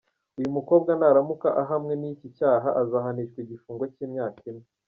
Uyu mukobwa naramuka ahamwe n’iki cyaha azahanishwa igifungo cy’imyaka ine.